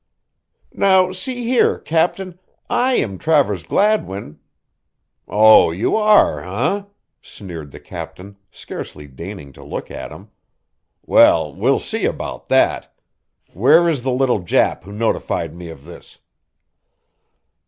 "Now see here, Captain, I am Travers Gladwin" "Oh, you are, eh?" sneered the captain, scarcely deigning to look at him. "Well, we'll see about that. Where is the little Jap who notified me of this?"